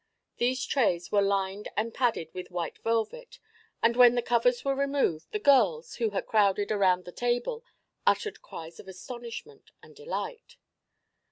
These trays were lined and padded with white velvet and when the covers were removed, the girls, who had crowded around the table, uttered cries of astonishment and delight.